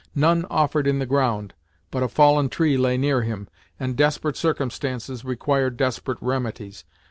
None offered in the ground, but a fallen tree lay near him, and desperate circumstances required desperate remedies.